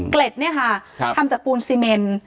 เนี่ยค่ะทำจากปูนซีเมน